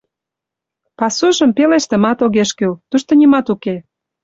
Пасужым пелештымат огеш кӱл — тушто нимат уке.